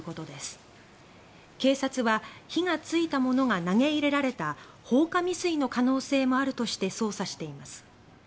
警察は火がついたものが投げ入れられた放火未遂の可能性もあるとして捜査しています。